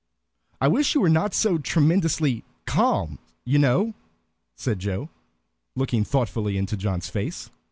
"I wish you were not so tremendously calm, you know," said Joe, looking thoughtfully into John's face.